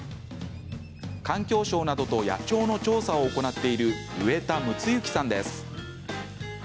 環境省などと野鳥の調査を行っている植田睦之さんです。